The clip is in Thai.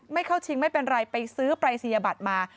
ไม่เข้าชิงไม่เป็นไรไปซื้อปรายศนียบัตรมา